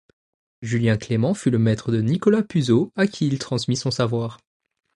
Julien Clément fut le maître de Nicolas Puzos à qui il transmit son savoir.